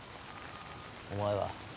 お前は？